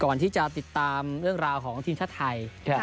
ก่อนที่จะติดตามเรื่องราวของทีมชาติไทย